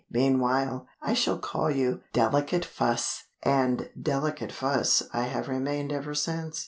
Meanwhile, I shall call you 'Delicate Fuss'!" (And "Delicate Fuss" I have remained ever since.)